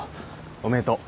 おめでとう。